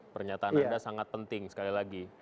pernyataan anda sangat penting sekali lagi